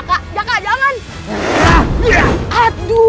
aduh gawat surawat ini